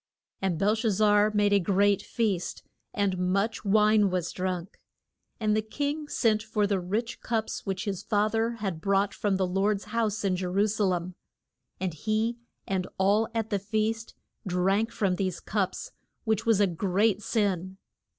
And Bel shaz zar made a great feast, and much wine was drunk. And the king sent for the rich cups which his fath er had brought from the Lord's house in Je ru sa lem. And he and all at the feast drank from these cups, which was a great sin.